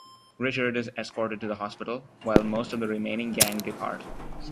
Richard is escorted to the hospital, while most of the remaining gang depart.